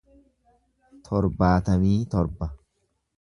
torbaatamii torba